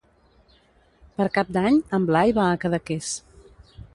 Per Cap d'Any en Blai va a Cadaqués.